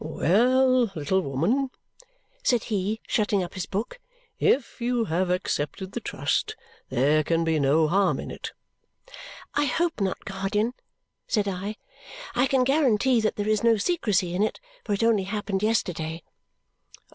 "Well, little woman," said he, shutting up his book, "if you have accepted the trust, there can be no harm in it." "I hope not, guardian," said I. "I can guarantee that there is no secrecy in it. For it only happened yesterday."